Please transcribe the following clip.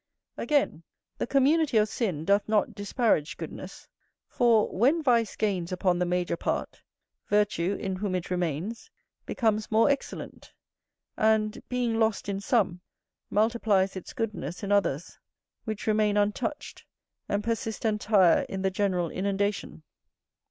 Again, the community of sin doth not disparage goodness; for, when vice gains upon the major part, virtue, in whom it remains, becomes more excellent, and, being lost in some, multiplies its goodness in others, which remain untouched, and persist entire in the general inundation.